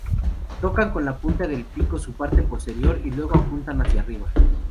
Tocan con la punta del pico su parte posterior y luego apuntan hacia arriba.